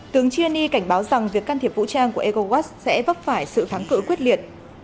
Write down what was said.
tướng chiani cảnh báo rằng việc can thiệp vũ trang của egowas sẽ vấp phải sự thắng cử quyết liệt